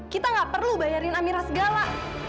kita nggak perlu bayarin amirah segala